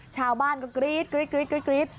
ชาวบ้านก็กรี๊ด